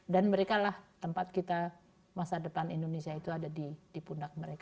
dan mereka lah tempat kita masa depan indonesia itu ada di pundak mereka